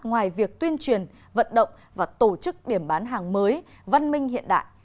ngoài việc tuyên truyền vận động và tổ chức điểm bán hàng mới văn minh hiện đại